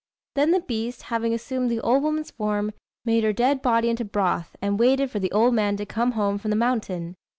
Then the beast, having assumed the old woman's form, made her dead body into broth, and waited for the old man to come home from the mountain.